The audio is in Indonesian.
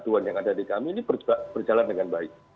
aduan yang ada di kami ini berjalan dengan baik